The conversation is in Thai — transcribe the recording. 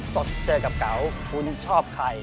สดเจอกับเก๋าคุณชอบใคร